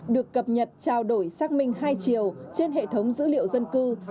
được cập nhật trao đổi xác minh hai chiều trên hệ thống dữ liệu dân cư